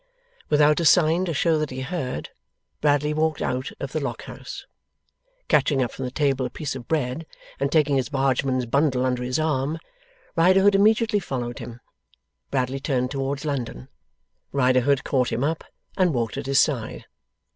Without a sign to show that he heard, Bradley walked out of the Lock House. Catching up from the table a piece of bread, and taking his Bargeman's bundle under his arm, Riderhood immediately followed him. Bradley turned towards London. Riderhood caught him up, and walked at his side.